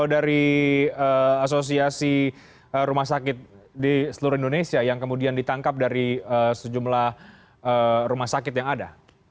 dari asosiasi rumah sakit di seluruh indonesia yang kemudian ditangkap dari sejumlah rumah sakit yang ada